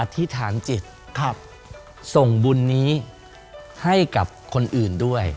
ธิษฐานจิตส่งบุญนี้ให้กับคนอื่นด้วย